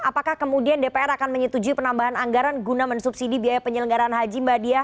apakah kemudian dpr akan menyetujui penambahan anggaran guna mensubsidi biaya penyelenggaran haji mbak diah